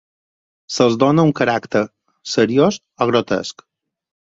Se'ls dóna un caràcter seriós o grotesc.